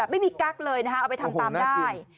ไม่มีกั๊กเลยนะคะเอาไปทำตามได้